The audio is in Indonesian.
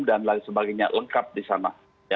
dan lain sebagainya lengkap di sana